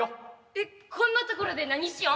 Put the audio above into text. えっこんなところで何しよん？